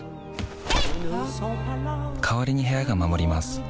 代わりに部屋が守ります